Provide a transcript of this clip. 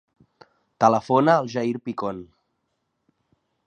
Telefona al Jair Picon.